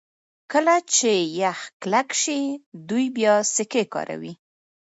کله چې یخ کلک شي دوی بیا سکي کاروي